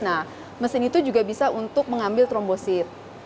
nah mesin itu juga bisa untuk mengambil trombosit